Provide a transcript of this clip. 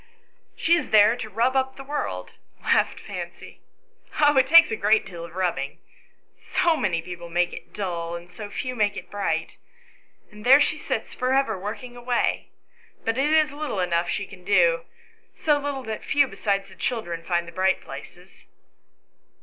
" She is there to rub up the world/' laughed Fancy. " Oh, it takes a great deal of rubbing, so many people make it dull, so few make it bright ; and there she sits for ever working away, but it is little enough 122 ANYHOW STORIES. [STORY she can do, so little that few besides the children find the bright places."